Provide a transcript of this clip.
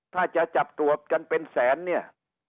ถ้าจะจับตรวจกันเป็นแสนเนี่ย